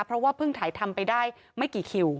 เพราะว่าเพิ่งถ่ายทำไปได้ไม่กี่คิว